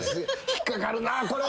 引っ掛かるなこれ。